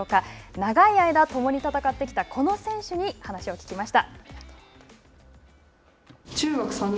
長い間共に戦ってきたこの選手に話を聞きました。